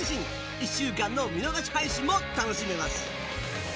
１週間の見逃し配信も楽しめます。